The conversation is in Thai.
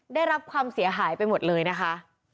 ได้รับความเสียหายไปหมดเลยนะคะ